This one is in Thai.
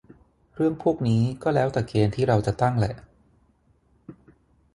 เรื่องพวกนี้ก็แล้วแต่เกณฑ์ที่เราจะตั้งแหละ